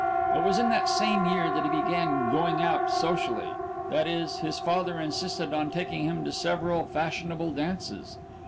It was in that same year that he began "going out socially" that is, his father insisted on taking him to several fashionable dances.